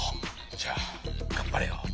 じゃ頑張れよ。